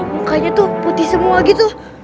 mukanya tuh putih semua gitu